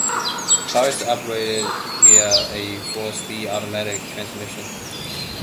The car is operated via a four-speed automatic transmission.